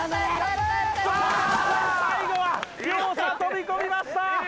最後は両者飛び込みました！